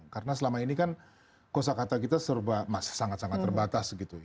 karena selama ini kan kosa kata kita serba masih sangat sangat terbatas gitu